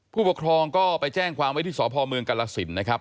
ผู้ปกครองก็ไปแจ้งความไว้ที่สพเมืองกรสินนะครับ